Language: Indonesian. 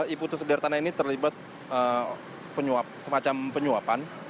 ibu putu sudiartan ini terlibat semacam penyuapan